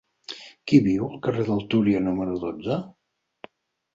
Qui viu al carrer del Túria número dotze?